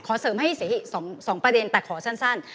เสริมให้เสีย๒ประเด็นแต่ขอสั้น